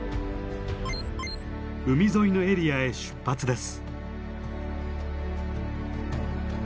海沿いのエリアへ出発です。